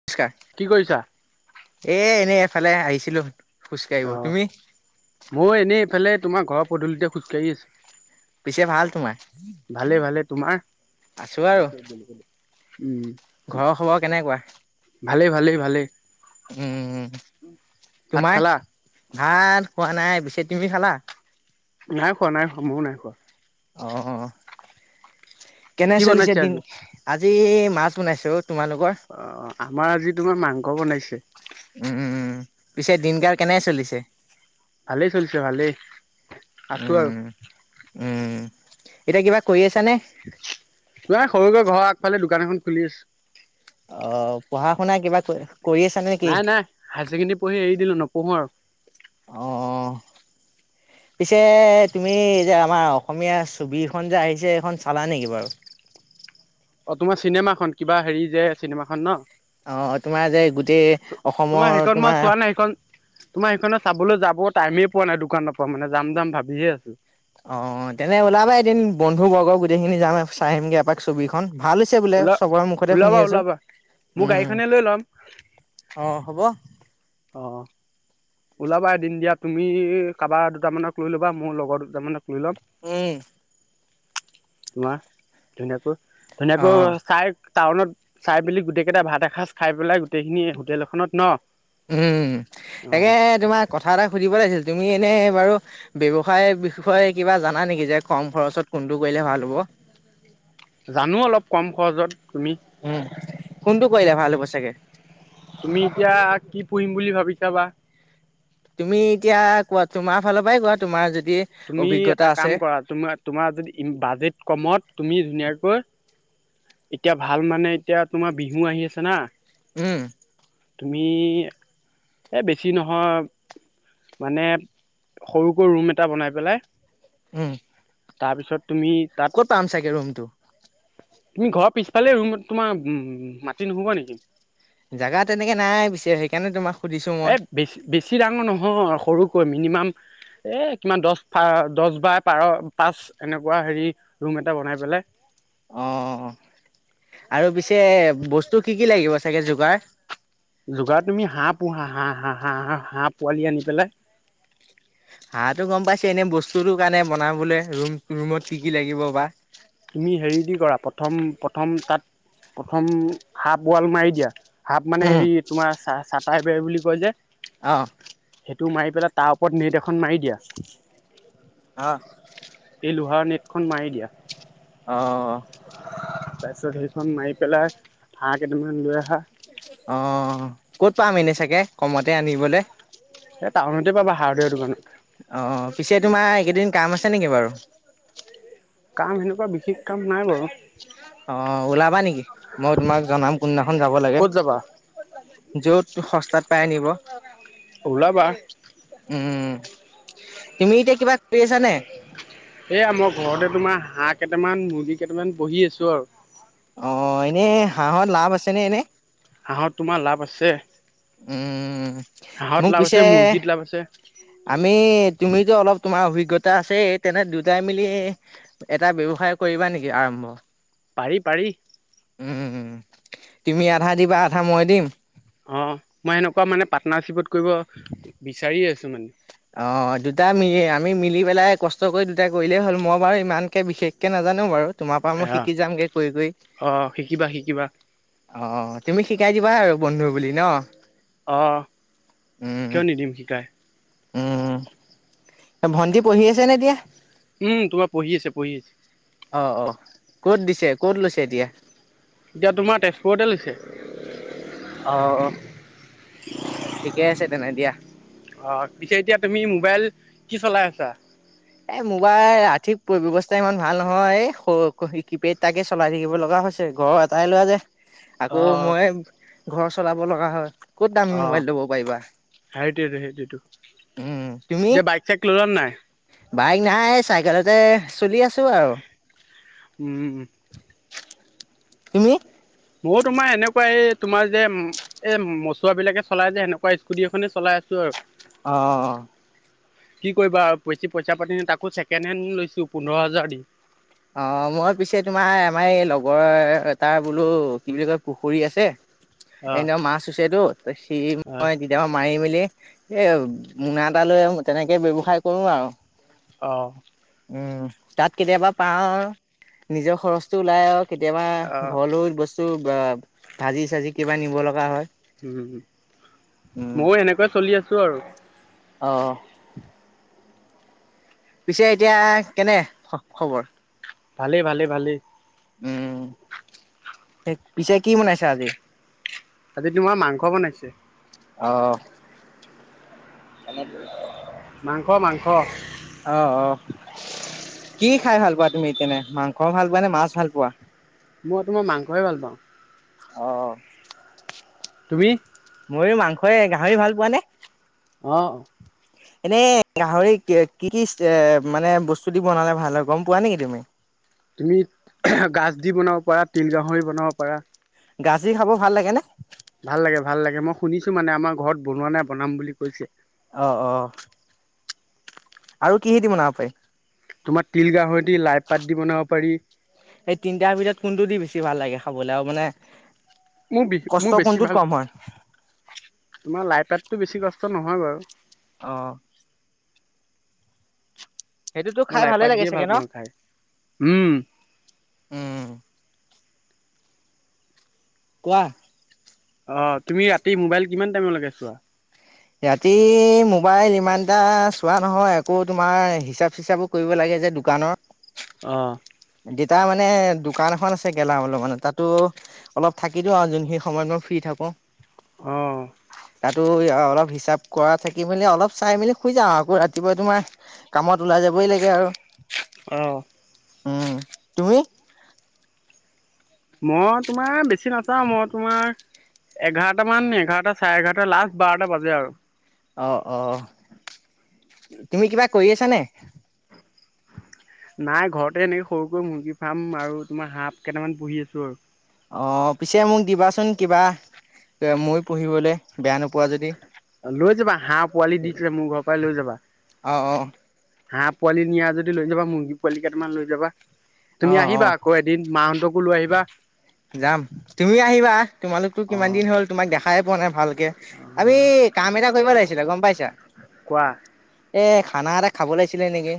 নমস্কাৰ। কি কৰিছা? এ এনেই এফালে আহিছিলো খোজ কাঢ়িব তুমি? মই এনেই এইফালে তোমাৰ ঘৰৰ পদূলিতে খোজকাঢ়ি আছো। পিছে ভাল তোমাৰ ভালে ভালে তোমাৰ আছো আৰু উম। ঘৰৰ খবৰ কেনেকুৱা? ভালেই ভালেই ভালেই। উম, ভাত তোমাৰ খালা? ভাত খোৱা নাই, পিছে তুমি চালা? নাই খোৱা নাই খোৱা মোৰো নাই খোৱা। অ', কেনে কি চলিছে বনাইছে দিন? আজি? আজি মাছ বনাইছেও, তোমালোকৰ? অ', আমাৰ আজি তোমাৰ মাংস বনাইছে। উম, পিছে দিন কাল কেনে চলিছে? ভালেই চলিছে ভালেই আছো আৰু। উম উম, এতিয়া কিবা কৰি আছা নে? সৰুকৈ ঘৰৰ আগফালে দোকান এখন খুলি আছো। অ', পঢ়া শুনা কিবা ক নাই নাই হায়াৰ ছেকেণ্ডেৰী পঢ়ি এৰি দিলো নপঢ়োঁ আৰু। অ'। পিছে তুমি যে আমাৰ অসমীয়া ছবিখন যে আহিছে এইখন চালা নেকি বাৰু? অ', তোমাৰ চিনেমাখন কিবা হেৰি যে চিনেমাখন ন? অ' তোমাৰ যে গোটেই তোমাৰ সেইখন অসমৰ মই তোমাৰ চোৱা নাই সেইখন তোমাৰ সেইখনে চাবলৈ যাব টাইমেই পোৱা নাই দোকানৰ পৰা মানে যাম যাম ভাবিহে আছোঁ। অ', তেনে ওলাবা এদিন বন্ধু বৰ্গ গোটেই খিনি যাম চাই আহিমগে এপাক ছবিখন ভাল বোলে ওলা চবৰে মুখতে শুনি ওলাবা আছো ওলাবা। মোৰ উম গাড়ীখনে লৈ ল'ম। অ' হ'ব। অ'। ওলাবা এদিন দিয়া তুমি কাৰোবাৰ দুটামানক লৈ ল'বা মোৰ লগৰ দুটামানক লৈ ল'ম। উম। তোমাৰ ধুনীয়াকৈ, অ', ধুনীয়াকৈ চাই। টাউনত চাই মেলি গোটেই কেইটা ভাত এসাঁজ খাই পেলাই গোটেইখিনি হোটেলখনত ন উম তাকে অ'। তোমাক কথা এটা সুধিব লাগিছিল তুমি এনেই বাৰু? ব্যৱসায়ৰ বিষয়ে কিবা জানা নেকি যে কম খৰচত কোনটো কৰিলে ভাল হ'ব? জানো অলপ কম খৰচত তুমি উম', কোনটো কৰিলো ভাল হ'ব চাগে? তুমি এতিয়া কি পঢ়িম বুলি ভাবিছা বা? তুমি এতিয়া কোৱা তোমাৰ ফালৰ পৰাই কোৱা তোমাৰ যদি তুমি অভিজ্ঞতা এটা আছে কাম কৰা তোমাৰ, তোমাৰ যদি বাজেট কমত তুমি ধুনীয়াকৈ এতিয়া ভাল মানে এতিয়া তোমাৰ বিহু আহি আছে না উম। তুমি। এই বেছি নহয়। মানে সৰুকৈ ৰুম এটা বনাই পেলাই উম। তাৰপিছত তুমি তাত ক'ত পাম চাগে ৰুমটো? তুমি ঘৰৰ পিছফালে ৰুম তোমাৰ উম মাটি নহ'ব নেকি? জাগা তেনেকে নাই পিছে সেইকাৰণে তোমাক সুধিছো এই মই! বেছি বেছি ডাঙৰ নহয় সৰুকৈ মিনিমাম এ', কিমান দশ বা দশ পাৰ পাঁচ এনেকুৱা হেৰি ৰুম এটা বনাই পেলাই। অ' আৰু পিছে বস্তু কি কি লাগিব চাগে যোগাৰ? যোগাৰ তুমি হাঁহ পোহা হাঁ, হাঁ, হাঁহ, হা, হাঁহ পোৱালি আনি পেলাই। হাঁহটো গম পাইছে এনেই বস্তুতো কাৰণে বনাবলে ৰুম ৰুমত কি কি লাগিব বা? তুমি হেৰি দি কৰা প্ৰথম, প্ৰথম তাত প্ৰথম হাঁফ ৱাল মাৰি দিয়া। হাফ মানে উম হেৰি তোমাৰ চা চাটাইবেৰ বুলি কয় যে। অ'। সেইটো মাৰি পেলাই তাৰ ওপৰত নেট এখন মাৰি দিয়া। অ'। এই লোহাৰ নেটখন মাৰি দিয়া। অ', অ'। তাৰপিছত সেইখন মাৰি পেলাই হাঁহ কেইটামান লৈ আহা। অ', ক'ত পাম এনে চাগে কমতে আনিবলৈ? এ', টাউনতে পাবা হাৰ্ডৱেৰ দোকানত। অ', পিছে তোমাৰ এইকেইদিন কাম আছে নেকি বাৰু? কাম তেনেকুৱা বিশেষ কাম নাই বাৰু অ', ওলাবা নেকি মই তোমাক জনাম কোনদিনাখন যাব লাগে? ক'ত যাবা য'ত সস্তাত পাই নিব! ওলাবা উম, তুমি এতিয়া কিবা কৰি আছানে? এইয়া মই ঘৰতে তোমাৰ, হাঁহ কেইটামান, মুৰ্গী কেইটামান, পুহি আছোঁ আৰু। অ', এনেই হাঁহত লাভ আছে নে, এনে? হাঁহত, তোমাৰ লাভ আছে। উম, হাঁহত মোক লাভ আছে পিছে মুৰ্গীত লাভ আছে আমি, তুমিতো অলপ তোমাৰ অভিজ্ঞতা আছে, তেনে দুটাই মিলি এটা ব্যৱসায় কৰিবা নেকি, আৰম্ভ। পাৰি, পাৰি। উম, তুমি আধা দিবা, আধা মই দিম। অ', মই এনেকুৱা মানে, পাৰ্টনাৰশ্বিপত কৰিব বিচাৰি আছোঁ মানে। অ', দুটা মিলি আমি, মিলি পেলাই কষ্ট কৰি দুটা কৰিলেই হ'ল, মই বাৰু ইমানকে বিশেষকে নাজানো বাৰু। তোমাৰ পৰা মই, আহ শিকি যামগে কৰি, কৰি। অ শিকিবা শিকিবা অ', তুমি শিকাই দিবা আৰু, বন্ধু বুলি ন। অ', উম, কিয়, নিদিম শিকায়। উম, ভণ্টি, পঢ়ি আছে নে এতিয়া? উম, তোমাৰ পঢ়ি আছে, পঢ়ি আছে। অ', অ', ক'ত দিছে, ক'ত লৈছে এতিয়া? এতিয়া, তোমাৰ তেজপুৰতে লৈছে। অ'। [inaudible] ঠিকে আছে তেনে, দিয়া। অ', পিছে এতিয়া তুমি, মোবাইল কি চলাই আছা? এ মোবাইল, আৰ্থিক ব্যৱস্থা ইমান ভাল নহয়, এই কিপেড এটাকে চলাই থাকিব লগা হৈছে। ঘৰৰ এটাই ল'ৰা যে, অ আকৌ মই ঘৰ চলাব লগা হয়। ক'ত দামি অ মোবাইল ল'ব পাৰিবা, সেইটোৱেটো সেইটোৱেটো উম, তুমি? এতিয়া বাইক চাইক ল'লা নাই? বাইক নাই, চাইকেলতে চলি আছো আৰু। উম। তুমি? মইও তোমাৰ এনেকুৱা, এই তোমাৰ যে এ মচোৱা বিলাকে চলাই যে, সেনেকুৱা স্কুটি এখনে চলাই আছো আৰু। অ', অ'। কি কৰিবা, বেছি পইচা পাতি নাই তাকো, ছেকেণ্ড হেণ্ড লৈছো, পোন্ধৰ হাজাৰ দি। অ', মই পিছে তোমাৰ, আমাৰ এই লগৰ তাৰ বোলো কি বুলি কয় পুখুৰী আছে। অ এনেও মাছ হৈছেটো, সি অ মই কেতিয়াবা মাৰি মেলি, এই মোনা এটা লৈ, তেনেকে ব্যৱসায় কৰোঁ আৰু। অ'। উম, তাত কেতিয়াবা পাওঁ আৰু, নিজৰ খৰচটো ওলাই আৰু। কেতিয়াবা, অ ঘৰলৈও বস্তু, ভাজি-চাজি কিবা নিব লগা হয়। উম, উম, মইয়ো এনেকুৱাই চলি আছো আৰু। অ'। পিছে, এতিয়া, কেনে খবৰ? ভালে, ভালে, ভালে। উম, সেই পিছে কি বনাইছা আজি? আজি তোমাৰ মাংস বনাইছো। অ' মাংস, মাংস অ', অ', কি খাই ভাল পোৱা তুমি তেনে? মাংস ভাল পোৱানে, মাছ ভাল পোৱা? মই তোমাৰ মাংসই ভাল পাওঁ। অ'। তুমি? ময়ো মাংসই গাহৰি ভাল পোৱানে? অ'। [unintelligible] এনেই গাহৰি কি-কি এ, মানে বস্তু দি বনালে ভাল হয়, গম পোৱা নিকি তুমি? তুমি গাজ দি বনাব পাৰা, তিল গাহৰি বনাব পাৰা। গাজি খাব ভাল লাগেনে? ভাল লাগে, ভাল লাগে মই শুনিছোঁ মানে, আমাৰ ঘৰত বনোৱা নাই, বনাম বুলি কৈছে। অ', অ', আৰু কিহেদি বনাব পাৰি? তোমাৰ তিল গাহৰিদি লাই পাত দি বনাব পাৰি। এই তিনটাৰ ভিতৰত কোনটো দি বেছি ভাল লাগে খাবলে আৰু মানে মোৰ বি কষ্ট মোৰ বেছি কোনটোত ভাল কম হয়? তোমাৰ লাইপাততো বেছি কষ্ট নহয় বাৰু। অ'। সেইটোতো মই খাই লাই ভালে পাত লাগে দিয়ে ভাল চাগে ন? পাওঁ খাই উম উম। কোৱা। অ', তুমি ৰাতি মোবাইল কিমান টাইমৰ লৈকে চোৱা? ৰাতি মোবাইল ইমানটা চোৱা নহয় আকৌ তোমাৰ হিচাপ, চিচাপো কৰিব লাগে যে, দোকানৰ। অ'। দেতাৰ মানে দোকান এখন আছে, গেলামালৰ তাতো অলপ থাকি দিওঁ আৰু যোনখিনি সময়ত মই ফ্ৰী থাকোঁ। অ'। তাতো অলপ হিচাপ কৰা থাকি, মেলি অলপ চাই মেলি শুই যাওঁ, আকৌ ৰাতিপুৱা তোমাৰ কামত ওলাই যাবই লাগে আৰু। অ'। উম, তুমি? মই তোমাৰ বেছি নাচাওঁ, মই তোমাৰ এঘাৰটামান, এঘাৰটা চাৰে এঘাৰটা লাষ্ট বাৰটা বাজে আৰু। অ', অ', তুমি কিবা কৰি আছানে? নাই ঘৰতে এনেই সৰুকৈ মুৰ্গী ফাৰ্ম আৰু তোমাৰ হাঁহ কেটামান পুহি আছোঁ আৰু। অ', পিছে মোক দিবাচোন কিবা, ময়ো পুহিবলে। বেয়া নোপোৱা যদি। লৈ যাবা হাঁহ পোৱালি দিছে, মোৰ ঘৰৰ পৰাই লৈ যাবা। অ', অ', হাঁহ পোৱালি নিয়া যদি লৈ যাবা, মুৰ্গী পোৱালি কেইটামান লৈ যাবা, তুমি অ', অ', আহিবা আকৌ‌ এ দিন মাহঁতকো লৈ আহিবা। যাম, তুমিও আহিবা। তোমালোকতো অ কিমান দিন হ'ল তোমাক দেখাই পোৱা নাই ভালকে। আমি অ', কাম এটা কৰিব লাগিছিলে গম পাইছা? কোৱা। এ, খানা এটা খাব লাগিছিলে নিকি,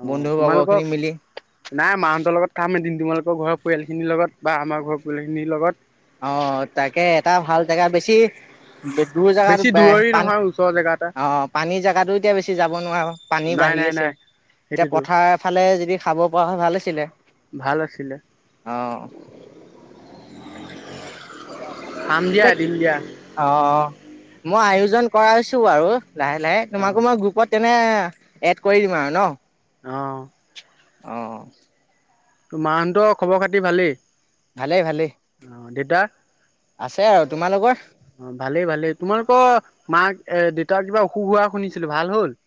অ তোমালোকক বন্ধুবৰ্গখিনি মিলি। নাই মাহঁতৰ লগত যাম এদিন, তোমালোকৰ ঘৰৰ পৰিয়ালখিনিৰ লগত বা আমাৰ ঘৰৰ পৰিয়ালখিনিৰ লগত। অ, তাকে এটা ভাল জেগা বেছি, দূৰ জেগাত বেছি দূৰৰি পান নহয় ওচৰৰ জেগা এটা অহ, পানীৰ জাগাতো এতিয়া বেছি যাব নোৱাৰো, পানী নাই নাই বাঢ়ি নাই আছে। এতিয়া সেইটোতো পথাৰ ফালে যদি খাব পৰা হয় ভাল আছিলে। ভাল আছিলে অহ, খাম দিয়া, এতিয়া এদিন দিয়া। অ মই আয়োজন কৰাইছো বাৰু লাহে লাহে অ তোমাকো মই গ্ৰুপত কেনে এড কৰি দিম আৰু ন, অ, অ, তো, মাহঁতৰ খবৰ খাতি ভালেই? ভালেই, ভালেই। অ, দেতা আছে আৰু তোমালোকৰ? অ, ভালেই ভালেই তোমালোকৰ মাক এ, দেউতাৰ কিবা অসুখ হোৱা শুনিছিলো ভাল হ'ল।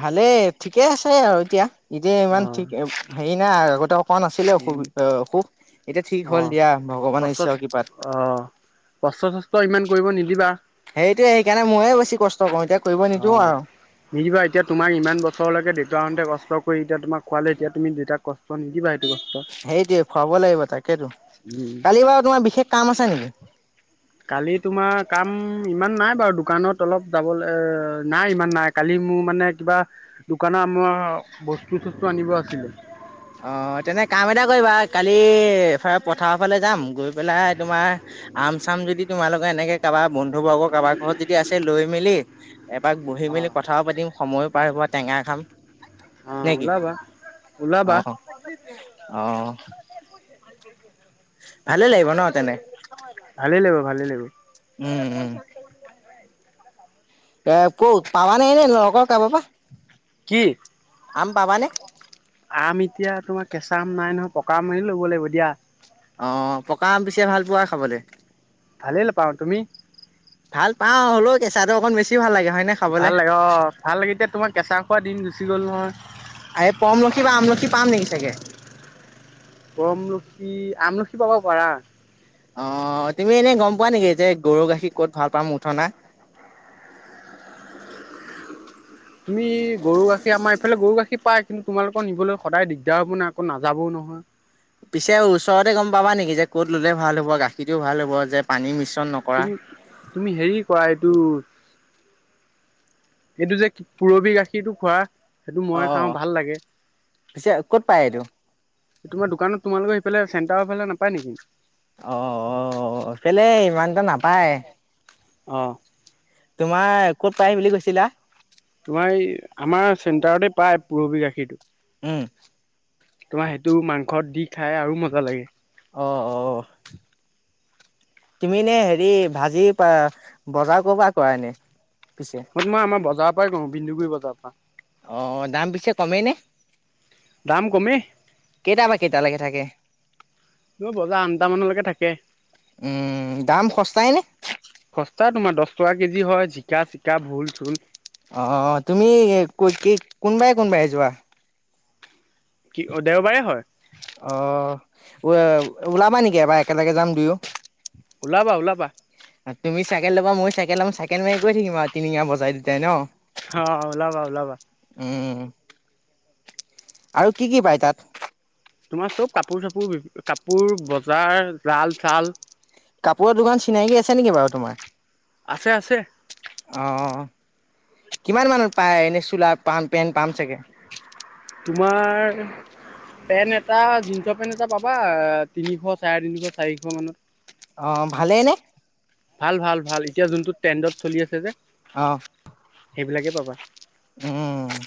ভালেই ঠিকে আছে আৰু এতিয়া, এতিয়া ইমান অ ঠিক হেৰি নাই আগতে হোৱা নাছিলে অসুখ, উ অসুখ এতিয়া ঠিক হ'ল দিয়া, ভগৱানৰ ঈশ্বৰৰ কৃপাত। অ, কষ্ট-চষ্ট ইমান কৰিব নিদিবা। সেইটোয়ে সেইকাৰণে মোয়ে বেছি কষ্ট কৰো, এতিয়া কৰিব অ, নিদিও আৰু নিদিবা এতিয়া তোমাক ইমান বছৰৰ লৈকে দেউতাহঁতে কষ্ট কৰি এতিয়া তোমাক খোৱালে, এতিয়া তুমি দেউতাক কষ্ট নিদিবা সেইটো কষ্ট সেইটোৱে খুৱাব লাগিব তাকেতো, উম কালি বাৰু তোমাৰ বিশেষ কাম আছে নেকি? কালি তোমাৰ কাম ইমান নাই বাৰু দোকানত অলপ যাবলৈ নাই ইমান নাই। কালি মোৰ মানে কিবা, দোকানত আমাৰ বস্তু-চস্তু আনিব আছিলে। অ, তেন্তে কাম এটা কৰিবা কালি এফালে পথাৰৰ ফালে যাম। গৈ পেলাই, তোমাৰ আম-চাম যদি তোমালোকৰ এনেকে কাৰবাৰ বন্ধুবৰ্গৰ কাৰবাৰ ঘৰত যদি আছে, লৈ মেলি এপাক বহি মেলি অঁ কথাও পাতিম, সময়ো পাৰি হ'ব টেঙা খাম। অহ, ওলাবা। ওলাবা অহ, অ, ভালেই লাগিব ন, তেনে? ভালে লাগিব, ভালে লাগিব। উম, উম, এ, ক'ত পাবা নে এনে লগৰ কাবাৰ পৰা? কি? আম পাবানে? আম এতিয়া তোমাৰ কেঁচা আম নাই নহয়, পকা আম ল'ব লাগিব দিয়া। অ, পকা আম, পিছে ভাল পোৱা খাবলৈ? ভালেই পাওঁ, তুমি? ভাল পাওঁ, হ'লেও কেঁচাটো অকণ বেছি ভাল লাগে, হয় নে? ভাল লাগে অ, ভাল লাগে এতিয়া তোমাৰ কেঁচা খোৱা দিম গুচি গ'ল নহয়। এই পৰমলখি বা আমলখি পাম নেকি চাগে? পৰমলখি, আমলখি পাব পাৰা। অ, তুমি এনে গম পোৱা নেকি? যে গৰু গাখীৰ ক'ত ভাল পাম মুঠনা তুমি গৰু, গাখীৰ আমাৰ ইফালে গৰু গাখীৰ পাই কিন্তু তোমালোকৰ নিবলৈ সদায় দিগদাৰ হ'ব নাই, আকৌ নাযাবও নহয়। পিছে ওচৰতে গম পাবা নেকি? যে ক'ত ল'লে ভাল হ'ব, গাখীৰটোও ভাল হ'ব যে পানী মিশ্ৰণ নক তুমি তুমি হেৰি কৰা এইটো এইটো যে পুৰবি গাখীৰটো খোৱা। সেইটো মই খাওঁ অ'। ভাল লাগে। পিছে ক'ত পায় এইটো? তোমাৰ দোকানত তোমালোকৰ সেইফালে চেটাৰফালে নাপায় নেকি? অ কেলে ইমানটা নাপায়। অ' তোমাৰ ক'ত পাই বুলি কৈছিলা? তোমাৰ এই আমাৰ চেণ্টাৰতে পায় পুৰবি গাখীৰটো। উম। তোমাৰ সেইটো মাংসত দি খাই আৰু মজা লাগে। অ। অ তুমি নে হেৰি ভাজি পা বজাৰ কৰ পৰা কৰা এনে পিছে? মই আমাৰ বজাৰ পৰা কওঁ বিন্দুগুৰি বজাৰৰ পা। অ দাম পিছে কমেই নে? দাম কমে। কেইটাৰ পৰা কেইটালৈকে থাকে? ন বজাৰ আঠটামানলৈকে থাকে। উম দাম সস্তাইনে? সস্তা তোমাৰ দহ টকা কেজি হয় জিকা-চিকা, ভোল-চোল। অ তুমি কুই কি কোনবাই কোনবাই যোৱা? কি? অ দেওবাৰে হয়। অ ওলাবা নেকি এবাৰ একেলগে যাম দুয়ো। ওলাবা ওলাবা। অ তুমি চাইকেল লবা মই চাইকেল লম' চাইকেল মাৰি গৈ থাকিম আ টিলিঙা বজাই দুটাই ন। হ ওলাবা ওলাবা। উম আৰু কি কি পায় তাত? তোমাৰ চব কাপোৰ চাপোৰ কাপোৰ বজাৰ জাল চাল কাপোৰৰ দোকান চিনাকি আছে নেকি বাৰু তোমাৰ? আছে আছে। অ কিমান মানত পাই এনেই চোলা পাম পেণ্ট পাম চাগে। তোমাৰ? পেণ্ট এটা জিন্সৰ পেণ্ট এটা পাবা তিনিশ চাৰে তিনিশ চাৰিশ মানত। অ ভালেই নে? ভাল ভাল ভাল এতিয়া জোনটো ট্ৰেণ্ডত চলি আছে যে অ সেইবিলাকে পাবা। উম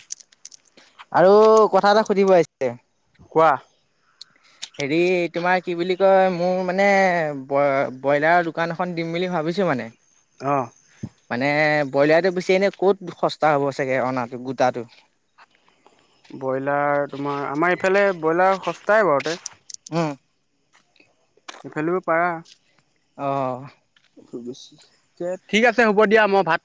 আৰু কথা এটা সুধিব আহিছে? কোৱা? হেৰি তোমাৰ কি বুলি কয় মোৰ মানে ব ব্ৰইলাৰ দো দোকান এখন দিম বুলি ভাবিছো মানে। অ। মানে ব্ৰইলাৰটো বেচি এনে ক'ত সস্তা হ'ব চাগে অনাটো গোটাটো? ব্ৰইলাৰ তোমাৰ আমাৰ ইফালে ব্ৰইলাৰ সস্তাই বাৰুতে। ওম। এইফালেও পাৰা। অ। ঠিক আছে হ'ব দিয়া, মই ভাত